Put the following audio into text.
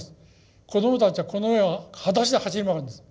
子供たちはこの上をはだしで走り回るんです。